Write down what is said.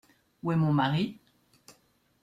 Où est mon mari ?